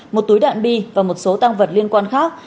một túi đạn bi và một số tăng vật liên quan khác